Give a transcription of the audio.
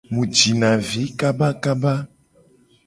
Mu jina vi kabakaba.